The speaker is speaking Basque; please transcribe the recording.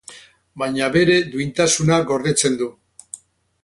Baina bere duintasuna gordetzen du.